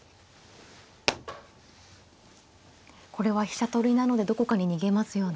これは飛車取りなのでどこかに逃げますよね。